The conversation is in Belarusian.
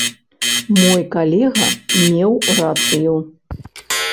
Мой калега меў рацыю!